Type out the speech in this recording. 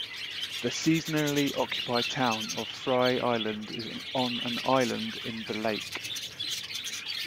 The seasonally occupied town of Frye Island is on an island in the lake.